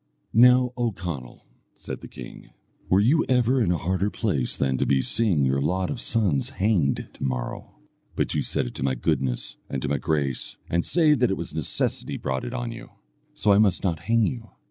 "Now, O Conall," said the king, "were you ever in a harder place than to be seeing your lot of sons hanged to morrow? But you set it to my goodness and to my grace, and say that it was necessity brought it on you, so I must not hang you.